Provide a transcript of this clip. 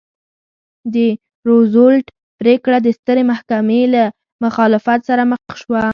د روزولټ پرېکړه د سترې محکمې له مخالفت سره مخ شوه.